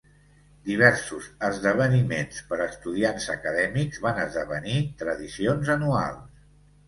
Diversos esdeveniments per estudiants acadèmics van esdevenir tradicions anuals.